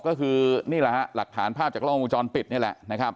ก็คือนี่แหละฮะหลักฐานภาพจากกล้องวงจรปิดนี่แหละนะครับ